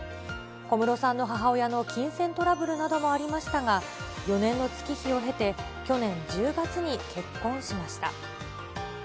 小室さんの母親の金銭トラブルなどもありましたが、４年の月日を経て、去年１０月に結婚しました。